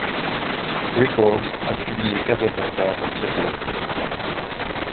Records a publié Casablanca à partir de leur contrat.